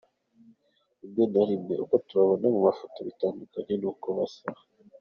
Rimwe na rimwe uko tubabona mu mafoto bitandukanye cyane n’uko basa .